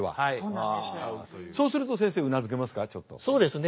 そうすると先生うなずけますか？